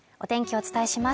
お伝えします